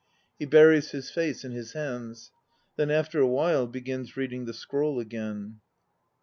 (He buries his face in his hands; then after a while begins reading the scroll again.)